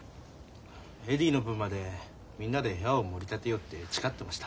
エディの分までみんなで部屋をもり立てようって誓ってました。